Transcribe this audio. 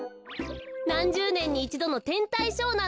なんじゅうねんにいちどのてんたいショーなんですよ。